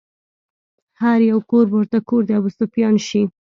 هر يو کور به ورته کور د ابوسفيان شي